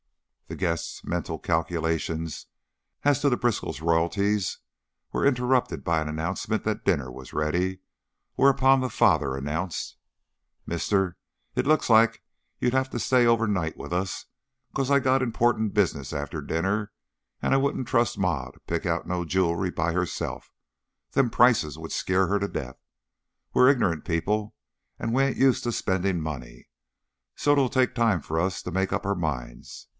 The guests' mental calculations as to the Briskow royalties were interrupted by an announcement that dinner was ready, whereupon the father announced: "Mister, it looks like you'd have to stay overnight with us, 'cause I got important business after dinner an' I wouldn't trust Ma to pick out no jewelry by herself them prices would skeer her to death. We're ignorant people and we ain't used to spendin' money, so it'll take time for us to make up our minds.